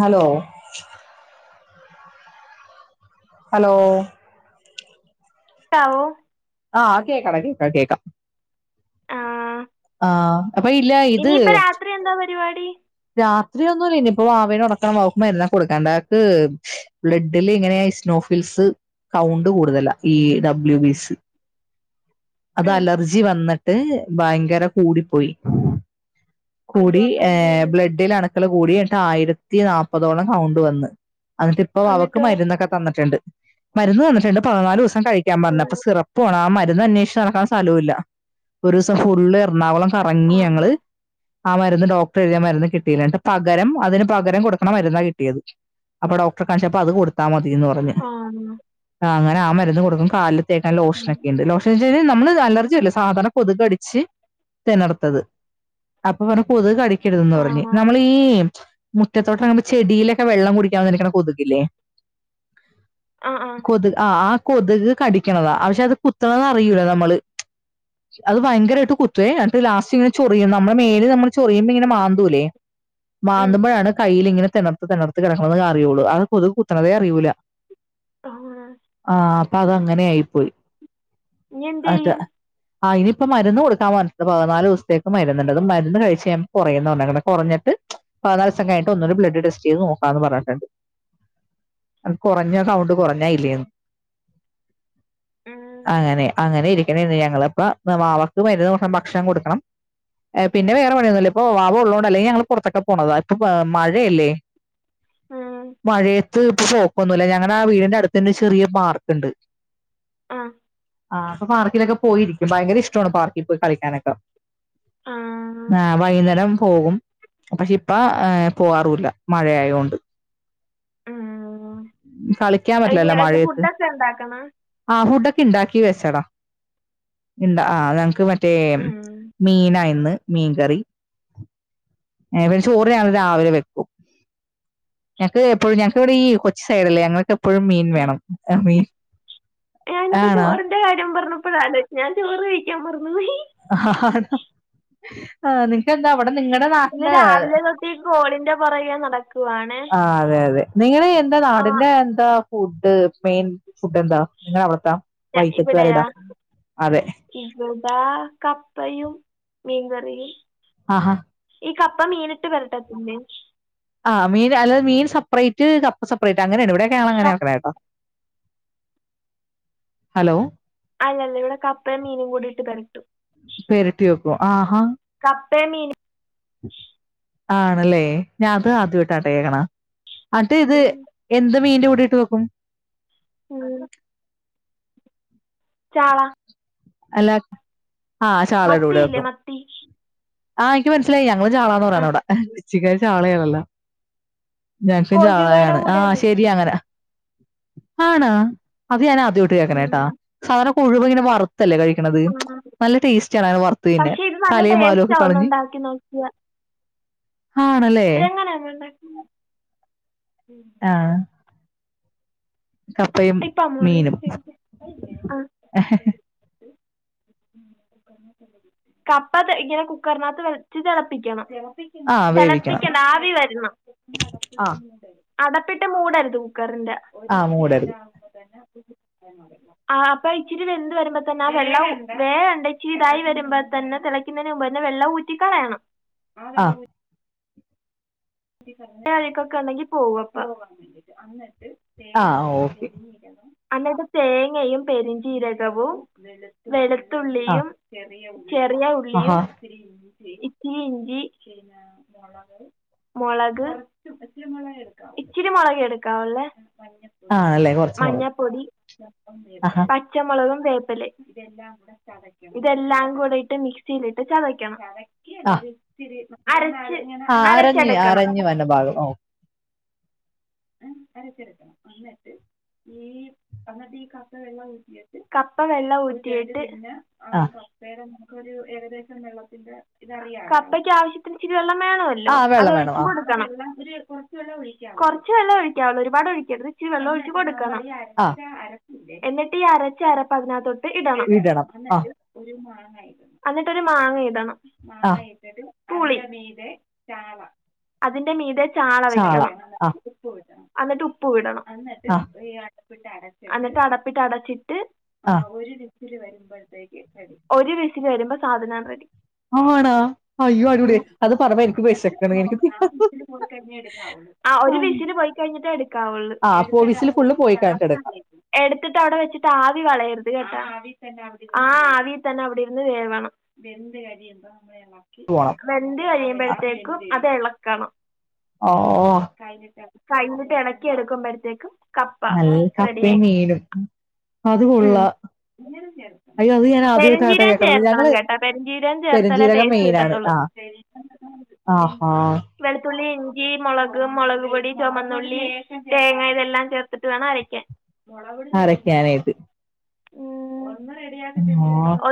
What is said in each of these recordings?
Hello hello [unintelligible] ആ കേക്കാടാ കേക്കാം ആ ആ അപ്പൊ ഇല്ല ഇത് പ്പയെന്താ പരിപാടി രാത്രിയൊന്നുല്ലിനിപ്പൊ വാവേനൊറക്കണം അവക്ക്മരുന്ന കൊടുക്കാണ്ട് ആക്ക് ബ്ലഡില് ഇങ്ങനേ ഇസ്നോഫിൽസ് കൗണ്ട് കൂടുതല ഈ ഡബ്ല്യു ബിസി [inaudible] ഉം അതലർജി വന്നിട്ട് ഭയങ്കര കൂടിപ്പോയി അയ്യോ കൂടി അപ്പോൾ ഏ എന്ത് ചെയ്യും ബ്ലഡിലണ്ക്കള് കൂടി ആയിരത്തിനാപ്പതോളം കൗണ്ട് വന്ന് അന്നിട്ടിപ്പൊ അവക്ക് എന്നിട്ടോ മരുന്നൊക്കെ തന്നിട്ട്ണ്ട് മരുന്ന് പതിനാലൂസം കഴിക്കാൻ ഓ പറഞ്ഞപ്പോ സിറപ്പ് പോണ ആ മരുന്ന് അന്വേഷ് നടക്കാൻ സലൂല്ല അ ഒരൂസം ഫുള്ളെറണാകുളം ആ കറങ്ങിയങ്ങള് ആ മരുന്ന് ഡോക്ടറെഴുതിയ മരുന്ന് കിട്ടീല ൻട്ട് പകരം അതിന്പകരം കൊടുക്കണ മരുന്നാ കിട്ടിയത് അപ്പൊ ഡോക്ടറെ കാണിച്ചപ്പോ അത് കൊടു ത്താ മതീന്നറഞ്ഞ് ആ ആ ആഹ് അങ്ങനെ മരുന്ന് കൊടുക്കും കാൽലിത്തേക്കാൻ ഉം. ലോഷനൊക്കെയിണ്ട് ലോഷ [unintelligible] നമ്മള് അലർജിയല്ല സാധാരണ കൊതുകടിച്ച് തിണർത്തത് അപ്പൊ പറഞ്ഞു കൊതുക് ആ കടിക്കരുതെന്നറഞ്ഞ് ഈ മുറ്റത്തോട്ടെറങ്ങുമ്പം ചെടിയിലൊക്കെ വെള്ളം കുടിക്കാൻന്നിരിക്കണ കൊതുകില്ലേ ആ ആ കൊത് അഹ് ആഹ് കൊതുക് കടിക്കണതാ അപഷേ അത് കുത്തണതറിയൂല നമ്മള് അത് ഭയങ്കരായിട്ട് കുത്തുഎ എൻട്ട് ലാസ്റ്റിങ്ങനെ ചൊറിയും നമ്മള മേല് നമ്മള് ചൊറിയുമ്പോയിങ്ങന മാന്തൂലേ ഉം മാന്തുമ്പഴാണ് കയിലിങ്ങനെ തിണർത്ത് തിണർത്ത് കെടക്കണത് അറിയൂളു അഹ് കൊതു കുത്തണതേ അറിയൂല്ല ആ ആഹ് അപ്പതങ്ങനെയായി പോയി ഇനി എന്ത് അത് ചെയ്യും അയ്നിപ്പം മര്ന്ന് കൊടുക്കാൻ പറഞ്ഞിട്ട് പതിനാലൂസ്ത്തേക്ക് മര്ന്ന്ണ്ട് അതൊണ്ട് മരുന്ന് കഴിച്ചു കഴുമ്പ കൊറയുന്ന പറഞ്ഞേക്കണ് കൊറഞ്ഞിട്ട് പതിനാലൂസം കയ്ൻട്ട് ഒന്നൂടെ ബ്ലഡ് ടെസ്റ്റ് ചെയ്ത് നോക്കാന്ന് പറഞ്ഞിട്ട്ണ്ട് അത് കൊറഞ്ഞ കൗണ്ട് കൊറഞ്ഞായില്ലേന്ന് ഉം അങ്ങനെ അങ്ങനെ ഇരി [unintelligible] ഞങ്ങള്പ്പ വാവക്ക് മരുന്നൊടുക്കണം ഭക്ഷണം കൊടുക്കണം എഹ് പിന്ന വേറ പണിയൊന്നൂല്ലിപ്പോ വാവ ഉള്ളോ നല്ലേ ഞങ്ങള് പൊറത്തൊക്കെ പോണതാ ഇപ്പ മ മഴയല്ലേ ഉം മഴ ത്ത് ഇപ്പ പോക്കൊന്നുല്ല ഞങ്ങട വീടിന്റടുത്തന്നെ ചെറിയ പാർക്ക്ണ്ട് ആഹ് ആഹ് അപ്പോ പാർക്കിലൊക്കെ പോയിരിക്കും ഭയങ്കര ഇഷ്ടമാണ് പാർക്കി പോയി കളിക്കാനൊക്കെ ആ ആഹ് വൈകുന്നേരം പോകും പഷേയിപ്പ ഏഹ് പോവാറൂല്ല മഴയായോണ്ട് കളി അയിനെയെന്ത് ഫുഡൊക്കെ ഇണ്ടാക്കണ ആഹ് ഫുഡൊക്കെ ഇണ്ടാക്കി വെച്ചടാ ഇണ്ടാ ആഹ് ഞങ്ങക്ക് മ റ്റേ ഉം മീനായിന്ന് മീൻകറി ഏഹ് പിന്നെ ചോറ് ഞാല് രാവിലെ വെക്കും ഞങ്ങക്ക് എപ്പോഴും ഞങ്ങക്ക് ഇവിടെ ഈ കൊച്ചി സൈഡല്ലേ ഞങ്ങൾക്ക് എപ്പോഴും മീൻ വേണം മീൻ ഞാനിപ്പോ ആണോ ചോറിന്റെ കാര്യം പറഞ്ഞപ്പോഴാ ആലോജിച്ചെ ഞാൻ ചോറ് കഴിക്കാൻ മറന്നു പോയി ആഹ് ആഹ് നിക്കന്താ അവിടെ നിങ്ങളടെ ഇന്ന് രാവിലെ തൊട്ടി കോളിന്റെ പുറകെ നടക്കുവാണെ ആഹ് അതെ അതെ നിങ്ങള് എന്താ നാടിന്റെ എന്താ ഫുഡ് മെയിൻ ഫുഡ് എന്താ നിങ്ങ അവടത്തെ വൈക്കത്തുകാരുടെ അതെ ഇവിടാ കപ്പയും മീൻകറിയും ആഹാ ഈ കപ്പ മീനിട്ട് വരട്ടത്തിലെ ആഹ് മീൻ അല്ലാതെ മീൻ സെപ്പറേറ്റ് കപ്പ സെപ്പറേറ്റ് അങ്ങനെയാണ് ഇവിടെക്കെ കപ് അങ്ങനെക്കെ കേട്ടോ ഹലോ അല്ല അല്ല ഇവിടെ കപ്പയും മീനും കൂടി ഇട്ട് പെരട്ടും പെരട്ടി വെക്കും ആഹാ കപ്പെ മീനും ആണല്ലേ ഞാൻ അത് ആദ്യമായിട്ടാട്ട കേക്കണ ആട്ട് ഇത് പിന്നെന്താ എന്ത് മീന്റെ കൂടിയിട്ട് വെക്കും ഉം ചാള അല്ലാ ആഹ് ചാളട കൂടെ മത്തിയില്ലേ വക്കും മത്തി ആഹ് എനിക്ക് മനസ്സിലായി ഞങ്ങള് ചാളാന്ന് ആ പറയാണ് അവിടെ കൊച്ചിക്കാര് ചാളയണല്ലോ ഞങ്ങക്ക കൊഴുവയുടെ ചാളയാണ് കൂടെയും ആഹ് ശരി വെക്കും അങ്ങനെ ആണ അത് ഞാൻ ആദ്യോട്ട് കേക്കണ കേട്ടാ ഉം, സാധാരണ കൊഴുവ് ഇങ്ങനെ വറ ത്തല്ലേ കഴിക്കണത് ആ. നല്ല ടേസ്റ്റ് ആണ് അങ്ങനെ വറുത്തു തിന്നാൽ പക്ഷെ ഇത് നല്ല തലയും വാലും ടേസ്റ്റ് ഒക്കെ ആവുന്നു കളഞ്ഞ് ഉണ്ടാക്കി നോക്കിയ ആണല്ലേ [unintelligible] ആഹ കപ്പയും ഇപ്പൊ അമ്മ മീനും പറയും ആ കപ്പ ഇങ്ങനെ കുക്കറിനകത്ത് വെച്ച് തിളപ്പിക്കണം ആ വേവിക്കണം തിളപ്പിക്കണ്ട ആവി വരണം ആ അടപ്പിട്ട് മൂടരുത് കുക്കറിന്റെ ആ മൂടരുത് ആ് അപ്പോ ഇച്ചിരി വെന്ത് വരുമ്പോ തന്നെ ആ വെള്ളം വേറെണ്ട ഇച്ചരി അപ്പോ ഇച്ചിരി വന്ത് വരുമ്പോ തന്നെ തിളയ്ക്കുന്നതിന് മൻ് തന്നെ വെള്ളംഊറ്റണം കളയണം ആ അഴക്കൊക്കെ ഉണ്ടെങ്കി പോവപ്പൊ ആഹ ഓക്കെ ല്ല അന്നേരത്തു തേങ്ങയും പെരിഞ്ചീരകവും വെ ആ ത്തുള്ളിയും ചെറിയ ആഹാ ഉള്ളിയും ഇത്തിരി ഇഞ്ചി മുളക് ഇച്ചിരി മുളക് എടുക്കാവല്ലേ ആ അല്ലേ കുറച്ച് മുളക് മഞ്ഞപ്പൊടി ആഹാ പച്ചമുളകും വേപ്പിലയും ഇതെല്ലാം കൂടെ ഇട്ട് മിക്സിയിലിട്ട് ചതക്കണം ആ അരച്ച് ആ അറഞ്ഞു അരച്ചെടുക്കണം. അറഞ്ഞു വന്റെ ഭാഗം ഓ ആഹ് അരച്ചെടുക്കണം വന്നിട്ട് ഈിട്ട് കപ്പ വെഊട്ട് കപ്പ വെള്ളം ഊറ്റിയിട്ട് ആഹ ആ കൊറ പേരന്ന ഏകദേശം കപ്പയ്ക്ക് ആവശ്യത്തിന് ഇിചിരി വെള്ളം ആ വേണമല്ലോ അത് വെള്ളം വേണം ഒഴിച്ചു ആ കൊടുക്ക കൊറച്ച് വെള്ളം ഒഴിക്കാം ഒരുപാട് ഒഴിക്കത് ഇച്ചിരി വെള്ളം ഒഴിച് കൊടുക്കണം ആ എന്നിട്ട് ഈ അരച്ച അരപ്പ് അതിനക്കത്തോട് ഇടണം എന്നിട്ടരു മാങ്ങ ഇടണം ആ മാങ്ങ ളി അതിന്റെ മീത ചാള വെക്കണം എന്നിട്ട് ഉപ്പ് വിടണം എന്നിട്ട് ആ അടപ്പ് എന്നിട്ട് അടപ്പിട്ട് അടച്ചി് എന്നിട്ട് ആ ഒരു വീസിൽ വരുമ്പോ സാധനം റെഡി ആണാ അയ്യോ അരുതേ അത് പറയുമ്പോൾ എനിക്ക് വിശക്ക എനിക്ക് ആ ഒരു വിസിൽ പോയി കഴിഞ്ഞിട്ട എടുക്കാവുള്ളൂ ആ അപ്പോ വിസിൽ ഫുള്ള് പോയി കഴിഞ്ഞിട്ട് എടുക്കാം എടുത്തിട്ട് അവിടെ വെച്ചിട്ട് ആവി കളയരുത് കേട്ടാ ആഹ് ആവിയിൽ തന്നെ അവിടെ ഇരുന്ന് വേഗണം വെന്തു പോണം കഴിയുമ്പോഴത്തേക്കും അത് ഇളക്കണം ആഹ് ആഹ് കഴിഞ്ഞിട്ട് കഴിഞ്ഞിട്ട് ഇളക്കി എടുക്കുമ്പോഴത്തേക്കും കപ്പ നല്ല കപ്പയും റെഡിയായി മീനും അത് കൊള്ളാം അയ്യോ അത് ഞാൻ ആദ്യമായിട്ടാട്ടെ പെരിഞ്ജീരകം കേൾക്കണത് ചേർക്കണം ഞങ്ങള് കേട്ടാ പെരിഞ്ജീരകം ചേർത്താല ടേസ്റ്റ് കിട്ടത്തുള്ളൂ ആഹാആഹാ വളത്തുള്ളി ഇഞ്ചി മുളക് മുളക് പൊടി ചുമന്നുള്ളി തേങ്ങ ഇതെല്ലാം ചേർത്തിട്ട് വേണം അരക്കാൻ മുള പൊടി അരയ്ക്കാനായിട്ട് ഒന്ന് റെഡി ആ ആണോ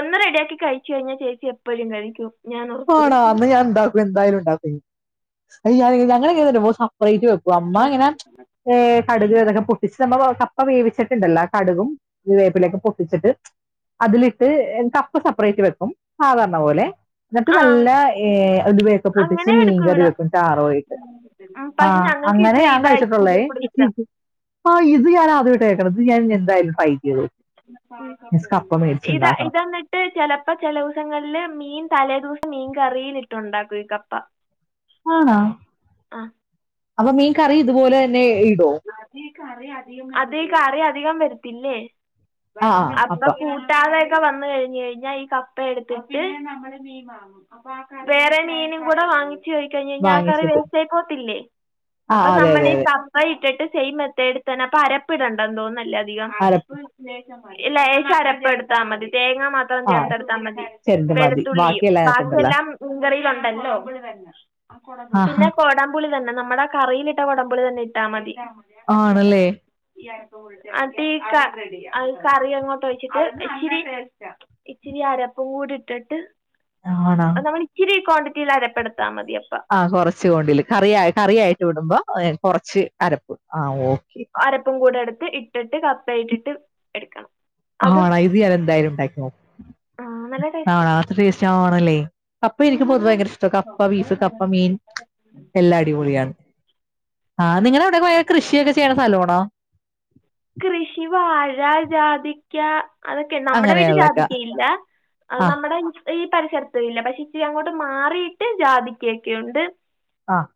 ഒന്ന് റെഡിയാക്കി കഴിച്ച കഴിഞ്ഞാൽ ചേച്ചി എപ്പോഴും കഴിക്കും ഞാൻ ഉറപ്പ് ആണാ തരുന്നു അന്ന് ഞാൻ ഇണ്ടാക്കും എന്തായാലും ഇണ്ടാക്ക അ ഞങ്ങളെങ്ങനെന്നറിയാമേ അ അമ്മ ആ. ഇങ്ങനെ കടുക അതൊക്കെ ച്ച് നമ്മ കപ്പ വേവിച്ചിട്ടുണ്ടല്ലോ കടുകും വേപ്പിലൊക്കെ പൊട്ടിച്ചിട്ട് അതിലിട്ട് കപ്പ് സെപ്പറേറ്റ് വെക്കും സാധാരണ പോലെ എന്നിട്ട് ആ നല്ല ഏ ഉലു വയൊക്കെ പൊട്ടിച്ച് അങ്ങനെ എടുക്കും മീൻകറി ഇവിടെ വെക്കും താറോയിട്ട് ഉം, പക്ഷെ ആഹ ഞങ്ങൾക്ക് അങ്ങനെ ഇത് ഞാൻ ഇതാ കഴിച്ചിട്ടുള്ളേ ഇച്ചിരിയും കൂടി ഇഷ്ടം ആ ഇ ത് ഞൻ ആദ്യമായിട്ട് കേൾക്ക് ണത് ഞൻ എന്തായാലും ഫൈറ്റ് ചെയ്ത നോക്കും മീൻസ് കപ്പ ഇതാ മേടിച്ചുണ്ടാക്കണം ഇതന്ന ചെലപ്പോ ചെല ദിവസങ്ങളില് മീൻ തലേ ദിവസം മീൻ കറിയിലിട്ടുണ്ടാക്കും ഈ കപ്പ ആണോ ആഹ് അപ്പൊ മീൻ കറി ഇതുപോലെ തന്നെ ഇടോ അതെ ഈ കറി അധികം വരത്തില്ലേ ആഹ് ആഹ് അപ്പ അപ്പം കൂ ട്ടാതൊക്കെ വന്ന് കഴിഞ്ഞ് കഴിഞ്ഞാൽ ഈ കപ്പ എടുത്തിട്ട് വേറെ മീനും കൂടെ വാങ്ങി വെച്ച് പോയി കഴിഞ്ഞാ ആ കറി വാങ്ങിച്ചിട്ട് വേസ്റ്റ് ആയി പോത്തില്ലേ ആഹ് അപ്പൊ അതെ അതെ നമ്മളീ അതെ കപ്പ യിട്ടിട്ട് സെയിം മെത്തേഡ് തന്നെ അപ്പ അരപ്പിടണ്ടന്ന് തോന്നുന്ന് അല്ലേ അധികം ആരപ്പ് ലേശം അരപ്പെടുത്താ മതി തേങ്ങാ മാ ത്രം ആ ചേർത്തെടുത്താ മതി ചെരണ്ട മതി വെളുത്തുള്ളിയും ബാക്കിയെല്ലാം അതിനകത്തുണ്ടല്ലോ ബാക്കിയെല്ലാം മീൻകറിയിലുണ്ടല്ലോ ആഹാ പിന്നെ കൊട മ്പുളി തന്നെ നമ്മുടെ കറിയിലിട്ട കൊടമ്പുളി തന്നെ ഇട്ടാൽ മതി ആണ്ല്ലേ അതേക്കാ അത് കറി അങ്ങോട്ട് ഒഴിച്ചിട്ട് ഇച്ചിരി ഇച്ചിരി അരപ്പും കൂടി ഇട്ടിട്ട് ആണോ അത് നമ്മൾ ഇച്ചിരി ക്വാണ്ടിറ്റിയിൽ അരപ്പെടുത്താൽ മതി അപ്പ ആഹ് കൊറച്ച് കൊണ്ടില്ല് കറിയായി കറിയായിട്ട് വിടുമ്പോ ഏഹ് കൊറച്ച് അരപ്പ് ആഹ് ഓക്കെ അരപ്പും കൂടെ എടുത്ത് ഇട്ടിട്ട് കപ്പയിട്ടിട്ട് എടുക്കണം ആണാ ഇത് ഞാൻ എന്തായാലും ഉണ്ടാക്കി നോക്കും ആ നല്ല ടേസ്റ്റ് ആണോ അത്ര ടേസ്റ്റ് ആണല്ലേ കപ്പ എനിക്ക് പൊതു ഭയങ്കര ഇഷ്ട കപ്പ ബീഫ് കപ്പ മീൻ എല്ലാം അടിപൊളിയാണ് ആഹ് നിങ്ങളെ അവിടെ പോയാ കൃഷിയൊക്കെ ചെയ്യ്ണ സ്ഥലാണോ കൃഷി വാഴ ജാതിക്ക അതൊക്കെ നമ്മുടെ വീട്ടിൽ അങ്ങനെയുള്ളൊക്കെ ജാതിക്കയില്ല അത് ആ നമ്മടെ ഈ പരിസര്ത്ത്ല്ല, പക്ഷെ ഇച്ചിരി അങ്ങോട്ട് മാറിയിട്ട് ജാതിക്കൊക്കെയ്ണ്ട്. ആഹ്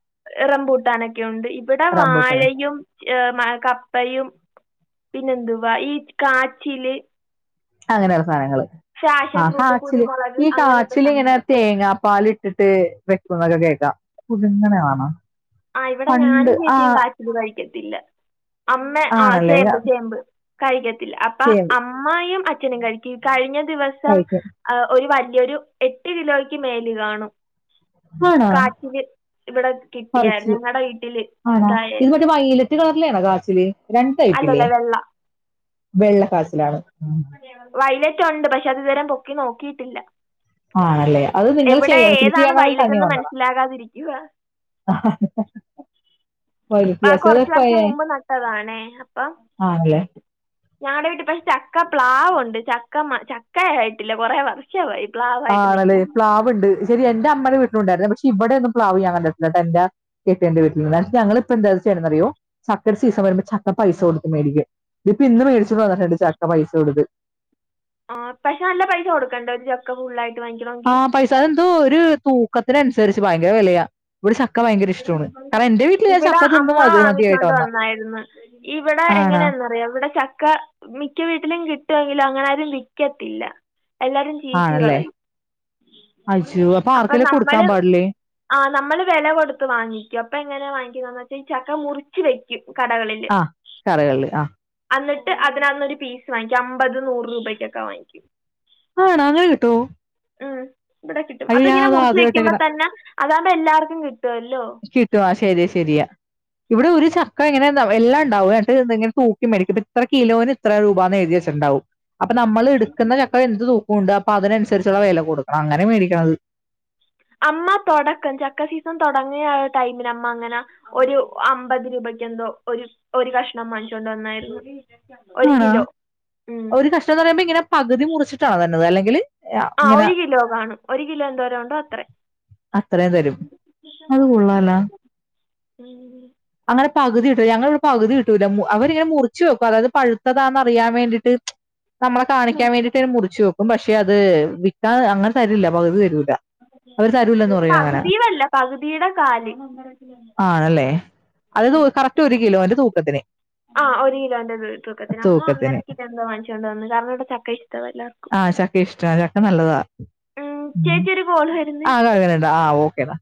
റംപൂട്ടാനൊക്കെയുണ്ട് ഇവിടെ വാഴയും കപ്പയും. പിന്നെന്തുവാ ഈ കാച്ചില്. അങ്ങനുള്ള സാനങ്ങള്. ഫാഷൻ ആഹ് ഫ്രൂട്ട് കാച്ചില് കുരുമുളക് ഈ അങ്ങനത്തെ കാച്ചിലിങ്ങനെ സാധനങ്ങളൊക്കെ തേങ്ങാ പാലിട്ടിട്ട്. വെക്കുന്നൊക്കെ കേൾക്കാം, പുതിങ്ങനാണൊ. ആഹ് ഇവിടെ ഞാനും ചേച്ചിം കാചില് കഴിക്കത്തില്ല. അമ്മെ ആഹ് ആണല്ലേ ചേമ്പ് ചേമ്പ് കഴിക്കത്തില്ല അപ്പ ചേമ്പ് അം മ്മായും അച്ഛനും കഴിക്കും കഴിഞ്ഞ ദിവസം. കഴിക്കും ആഹ്, ഒരു വല്യൊരു എട്ട് കിലോയ്ക്ക് മേല്കാണും. കാച്ചില് ഇവിടെ കി ച്ച് ആണോ ഇത് മറ്റേ വൈലറ്റ് കളറിലെ ആണോ കാച്ചില്? രണ്ട് ടൈപ്പില്ലേ അല്ലല്ല വെള്ള വെള്ളക്കാചിലാണ്. വൈലറ്റ്ഉണ്ട് പക്ഷെ അത് ഇതുവരെ പൊക്കി നോക്കിയിട്ടില്ല. ആണല്ലേ അത് നിങ്ങൾ എവിടെ ചെയ്യ കൃഷി ഏതാണ് ചെയ്യണതിൽ വയലറ്റ് തന്നെ എന്ന് വന്നണം. മനസ്സിലാകാതിരിക്കുക അഹ ഹ് ഹ് ഹ് പ്പ ആഹ് കൊർച്ച് വർഷം മുമ്പ് നട്ടതാണേ അപ്പം ആണല്ലേ ഞാടെ വീട്ടിൽ പക്ഷെ ചക്ക പ്ലാവുണ്ട് ചക്ക ചക്ക ആയിട്ടില്ല കൊറേ വർ ഷമായി പ്ലാ ആണ്ലേ പ്ലാവ്ണ്ട് ശരി എന്റെ അമ്മേടെ വീട്ടിലുണ്ടായീന്ന്, പക്ഷെ ഇവിടെ ഒന്നും പ്ലാവ് ഞാകണ്ടിട്ടില്ലട്ടാ, എന്റെ കെട്ടിയോന്റെ വീട്ടിൽന്ന് ഞങ്ങളിപ്പോ ന്തചെ യ്യ്ണ്നറിയോ ചക്കയുടെ സീസൺ വരുമ്പോ ചക്ക പൈസ കൊടുത്ത് മേടിക്കും. ഇതിപ്പ ഇന്ന് മേട്ചോട്ട് വന്നതാ ചക്ക പൈസ കൊടുത്ത്. ആഹ് പക്ഷെ നല്ല പൈസ കൊടുക്കണ്ടെ ഒരു ചക്ക ഫുള്ളായി ആഹ് പൈസ അത് എന്തോ ഒരു തൂക്കത്തിനനുസരിച്ച് ഭയങ്കര വിലയാ. ഇവിടെ ചക്ക ഭയങ്കര ഇഷ്ടോണ് കാരണം എന്റെ വീട്ടിൽ ഞാൻ ഇവിടെ ചക്ക തിന്ന് മതി മതിയായിട്ട് വന്നാ ഇവടെ എങ്ങനെയാന്നറിയൊ ഇവിടെ ചക്ക മിക്ക വീട്ടിലും കിട്ടൊങ്കിലും അങ്ങനെ ആരും വിക്കത്തില്ല. എല്ലാരും ആണല്ലേ ചീച്ച്കളയും. അയ്യോ അപ്പൊ ആർക്കെങ്കിലും കൊടുക്കാൻ നമ്മള് പാടില്ലേ? ആ നമ്മള് വില കൊടുത്ത് വാങ്ങിക്കും അപ്പൊ എങ്ങനാ വാങ്ങിക്കുന്നന്ന് വെച്ചാ ഈ ചക്ക മുറി ച്ച് വെക്കും കടകളില് ആഹ് കടകളില് ആഹ് അന്നിട്ട് അതിനകന്നൊരു പീസ് വാങ്ങിക്കും അമ്പത് നൂറ് രൂപക്കൊക്കെ വാങ്ങിക്കും. ആണാങ്ങനെ കിട്ടോ? ഉം ഇവിടെ കിട്ടും അയ്യോ അത് ഇങ്ങനെ ഞാനത് മുറിച്ച് ആദ്യമായിട്ട് വെക്കുമ്പോ കേക്കണ. തന്നെ അതാവുമ്പൊ എല്ലാർക്കും കിട്ടുവല്ലോ. കിട്ടു ആ ശെരി ശരിയാ. ഇവിടെ ഒരു ചക്ക ഇങ്ങനെനൊല്ലാംണ്ടാവും എന്നിട്ട് ഇങ്ങനെ തൂക്കി മേടിക്കും ഇപ്പ ഇത്ര കിലോന് ഇത്ര രൂപാന്ന് എഴുതിവെച്ചിട്ട്ണ്ടാവും. അപ്പൊ നമ്മൾ എടുക്ക്ന്ന ചക്ക എന്ത് തൂക്കുംണ്ട് അപ്പൊ അതിനനുസരിച്ചുള്ള വില കൊടുക്കണം അങ്ങനെ മേടിക്ക്ണത്. അമ്മ തൊടക്കം ചക്ക സീസൺ തൊടങ്ങിയ ടൈമിൽ അമ്മ അങ്ങനെ ഒരു അമ്പത് രൂപക്ക് എന്തോ ഒരു ഒരു കഷ്ണം വാങ്ങിച്ചൊണ്ട് വന്നായ്ര്ന്നു. ആണോ ഒരു കഷ്ണംന്ന് പറയുമ്പോ ഇങ്ങനെ പകുതി മുറിച്ചിട്ടാണോ തര്നത് അല്ലെങ്കില് ആ ഒരു കിലോ കാണും ഒരു കിലോ എന്തോരൊണ്ടോ അത്രെ അത്രയും തരും അത് കൊള്ളാലോ ഉം അങ്ങനെ പകുതിട്ട ഞങ്ങളവി പകുതി കിട്ടില്ല അവരിങ്ങനെ മുറിച്ച് വെക്കും അതായത് പഴുത്തതാന്ന് അറിയാൻ വേണ്ടിട്ട്. നമ്മളെ കാണിക്കാൻ വേണ്ടീട്ടെര് മുറിച്ചു വെക്കും ക്കും പക്ഷെ അത് വിൽക്കാ അങ്ങനെ തരില്ല പകുതി തരൂല. അവർ തരൂലെന്ന് ഇത് പറയും അങ്ങനെ പകുതിയുമല്ല പകുതിയുടെ കാല്. ആണല്ലേ അത് തൂ ഉം. കറക്റ്റ് ഒരു കിലോന്റെ തൂക്കത്തിന്. ആ ഒരുകിലോന്റെതൂക്കത്തിന് അമ്മ ഒന്നര തൂക്കത്തിന് കിലോ എന്തോ വാങ്ങിച്ചോണ്ട് വന്ന് കാരണം ഇവടെ ചക്ക ഇഷ്ടവാ എല്ലാർക്കും. ഇഷ്ടാ ചക്ക നല്ലതാ ഉം ചേച്ചി ഒരു കോൾ ആ വരുന്നേ [unintelligible] ആ ഓക്കേടാ.